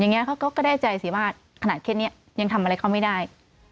อย่างนี้เขาก็ได้ใจสิว่าขนาดเคสนี้ยังทำอะไรเขาไม่ได้